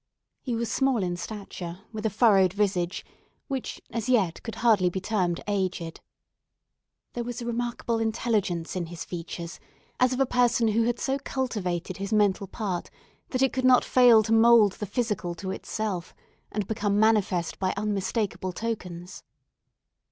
He was small in stature, with a furrowed visage, which as yet could hardly be termed aged. There was a remarkable intelligence in his features, as of a person who had so cultivated his mental part that it could not fail to mould the physical to itself and become manifest by unmistakable tokens.